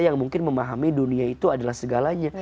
yang mungkin memahami dunia itu adalah segalanya